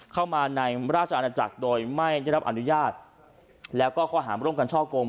เข้ามาในราชอาณาจักรโดยไม่ได้รับอนุญาตแล้วก็ข้อหามร่วมกันช่อกง